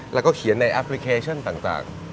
แล้วก็เขียนในแอปพลิเคชันต่าง